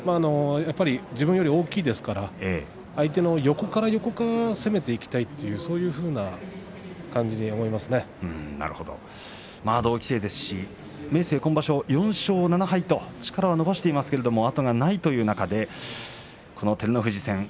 やっぱり自分より大きいですから相手の横から攻めていきたいという同期生ですし明生は４勝７敗と力を伸ばしていますけれど後がないという中で照ノ富士戦